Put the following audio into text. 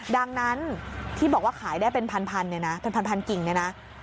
ดังนั้นที่บอกว่าขายได้เป็นพันกิ่งเนี่ยนะ